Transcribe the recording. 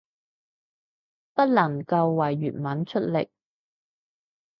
不能夠為粵文出力